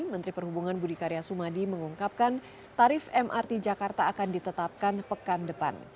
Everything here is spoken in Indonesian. menteri perhubungan budi karya sumadi mengungkapkan tarif mrt jakarta akan ditetapkan pekan depan